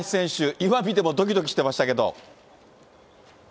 今見ても、どきどきしてましたけど。